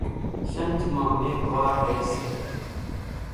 شنجھ مان ميگھوار ريئيَ سي۔